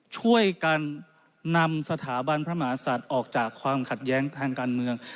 ช่วยกันนำสถาบันพระมหาศัตริย์ออกจากความขัดแย้งทางการเมือง